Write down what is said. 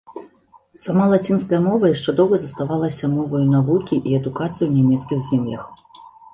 Сама лацінская мова яшчэ доўга заставалася моваю навукі і адукацыі ў нямецкіх землях.